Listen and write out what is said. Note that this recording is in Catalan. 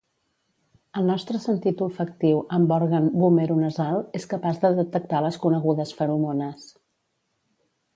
El nostre sentit olfactiu amb òrgan vomeronasal és capaç de detectar les conegudes feromones